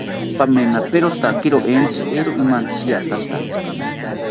Paminaperotakiri entzi, eero imantziatanta